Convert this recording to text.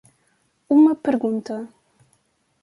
Uma pergunta.